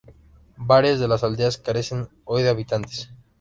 Varias de las aldeas carecen hoy de habitantes.